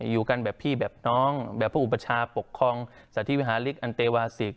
อยู่กันแบบพี่แบบน้องแบบพระอุปชาปกครองสาธิวิหาลิกอันเตวาสิก